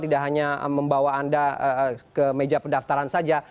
tidak hanya membawa anda ke meja pendaftaran saja